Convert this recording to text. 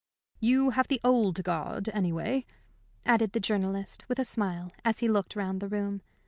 "You have the old guard, anyway," added the journalist, with a smile, as he looked round the room.